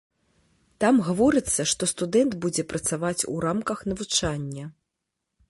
Там гаворыцца, што студэнт будзе працаваць у рамках навучання.